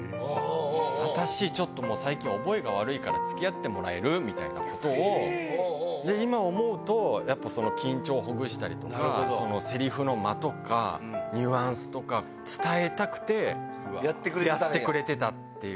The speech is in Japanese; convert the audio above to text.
私、ちょっともう最近覚えが悪いから、つきあってもらえる？みたいなことを、今思うと、やっぱその緊張をほぐしたりとか、せりふの間とか、ニュアンスとか伝えたくて、やってくれてたっていう。